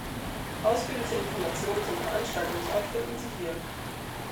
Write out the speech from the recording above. Ausführliche Informationen zum Veranstaltungsort finden Sie hier.